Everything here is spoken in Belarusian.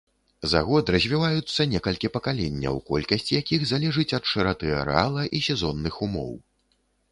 За год развіваюцца некалькі пакаленняў, колькасць якіх залежыць ад шыраты арэала і сезонных умоў.